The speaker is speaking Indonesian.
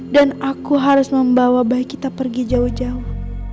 dan aku harus membawa bayi kita pergi jauh jauh